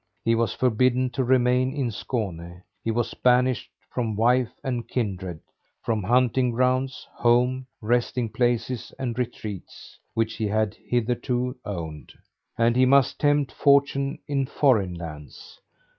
He was forbidden to remain in Skåne. He was banished from wife and kindred; from hunting grounds, home, resting places and retreats, which he had hitherto owned; and he must tempt fortune in foreign lands.